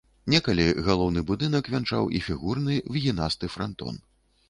Некалі галоўны будынак вянчаў і фігурны выгінасты франтон.